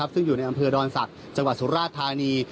ซึ่งอยู่ในอำเภอดอนศักดิ์จังหวัดสุราธานี